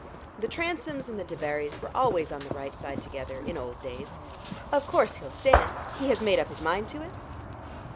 The Transomes and the Debarrys were always on the right side together in old days. Of course he'll stand he has made up his mind to it?"